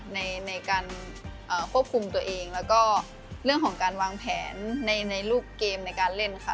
ในการควบคุมตัวเองแล้วก็เรื่องของการวางแผนในลูกเกมในการเล่นค่ะ